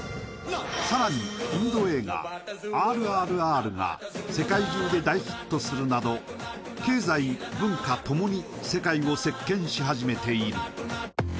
更に印度映画「ＲＲＲ」が世界中で大ヒットするなど経済・文化ともに世界を席けんし始めている。